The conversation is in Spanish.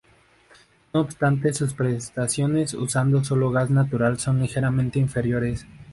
No obstante sus prestaciones usando solo gas natural son ligeramente inferiores.